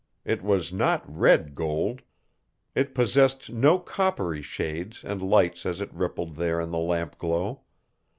It was not red gold. It possessed no coppery shades and lights as it rippled there in the lamp glow.